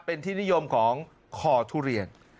เป็นที่นิยมของคอทุเรียน